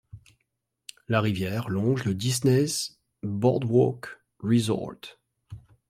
La rivière longe le Disney's BoardWalk Resort.